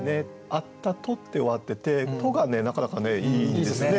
「あったと」って終わってて「と」がなかなかいいですね。